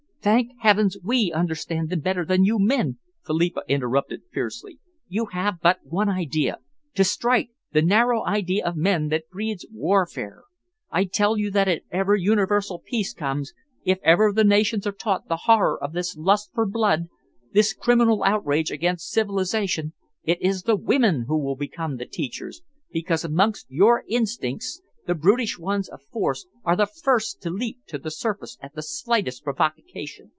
"Thank heavens we understand them better than you men!" Philippa interrupted fiercely. "You have but one idea to strike the narrow idea of men that breeds warfare. I tell you that if ever universal peace comes, if ever the nations are taught the horror of this lust for blood, this criminal outrage against civilisation, it is the women who will become the teachers, because amongst your instincts the brutish ones of force are the first to leap to the surface at the slightest provocation.